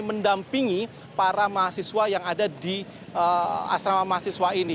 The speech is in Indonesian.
yang mendampingi para mahasiswa yang ada di asrama mahasiswa